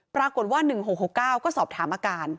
ปรากฏว่า๑๖๖๙ก็สอบถามอาการ